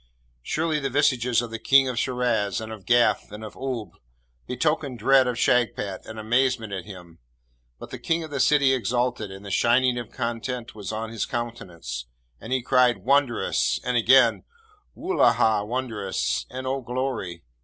Surely, the visages of the Kings of Shiraz and of Gaf and of Oolb betokened dread of Shagpat and amazement at him; but the King of the City exulted, and the shining of content was on his countenance, and he cried, 'Wondrous!' and again, 'Wullahy, wondrous!' and 'Oh, glory!'